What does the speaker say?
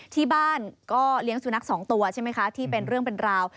ที่บ้านก็เลี้ยงสุนัขสองตัวใช่ไหมคะที่เป็นเรื่องเป็นราว